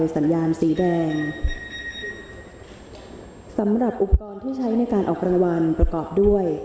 สัญญาณสีแดงสำหรับอุปกรณ์ที่ใช้ในการออกรางวัลประกอบด้วย